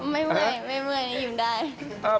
ไม่เมื่อยยิ้มได้